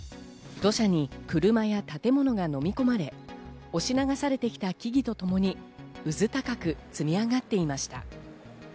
土砂に車や建物がのみ込まれ、押し流されてきた木々と共にうず高く積み上がっていました。